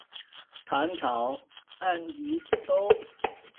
唐朝羁縻州。